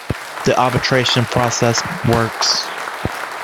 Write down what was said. The arbitration process works.